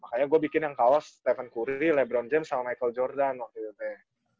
makanya gue bikin yang kaos stephen curry lebron james sama michael jordan waktu itu teh